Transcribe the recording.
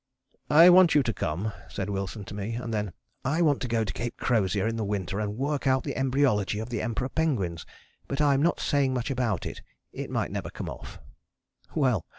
"I want you to come," said Wilson to me, and then, "I want to go to Cape Crozier in the winter and work out the embryology of the Emperor penguins, but I'm not saying much about it it might never come off." Well!